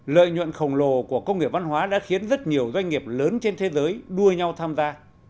lợi nhuận khổng lồ của công nghiệp văn hóa đã khiến rất nhiều doanh nghiệp lớn trên thế giới đua nhau tham gia